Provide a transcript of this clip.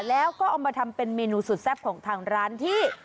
แล้วก็เอามาทำเป็นเมนูสุดแซ่บของทางร้านที่